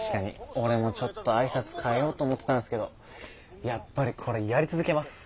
俺もちょっと挨拶変えようと思ってたんすけどやっぱりこれやり続けます。